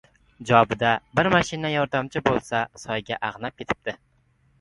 — Jobida bir mashina yordamchi bola soyga ag‘nab ketibdi!